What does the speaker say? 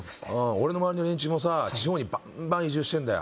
俺の周りの連中もさ地方にバンバン移住してんだよ